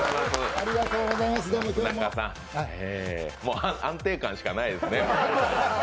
もう安定感しかないですね。